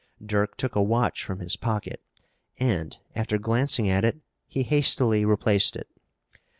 Dirk took a watch from his pocket and, after glancing at it, he hastily replaced it.